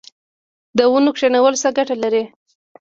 د ونو کینول څه ګټه لري؟